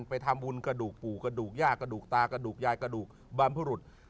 ไปทำบุญกระดูกปู่กระดูกย่ากระดูกตากระดูกยายกระดูกบรรพรุษ